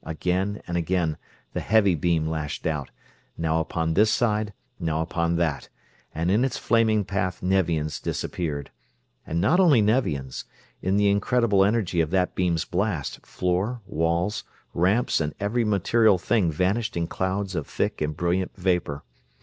Again and again the heavy beam lashed out, now upon this side, now upon that, and in its flaming path Nevians disappeared. And not only Nevians in the incredible energy of that beam's blast, floor, walls, ramps, and every material thing vanished in clouds of thick and brilliant vapor.